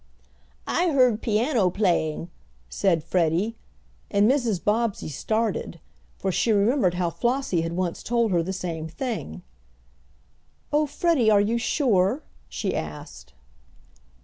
"I heard piano playing," said Freddie, and Mrs. Bobbsey started, for she remembered how Flossie had once told her the same thing. "Oh, Freddie, are you sure?" she asked.